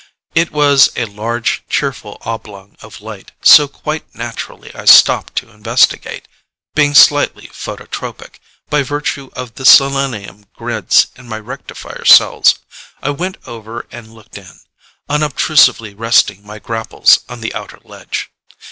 It was a large, cheerful oblong of light, so quite naturally I stopped to investigate, being slightly phototropic, by virtue of the selenium grids in my rectifier cells. I went over and looked in, unobtrusively resting my grapples on the outer ledge.